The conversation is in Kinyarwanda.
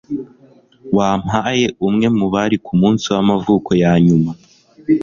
Wampaye umwe mubari kumunsi wamavuko yanyuma